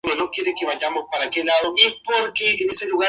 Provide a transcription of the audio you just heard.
Vamos, vamos. Por aquí.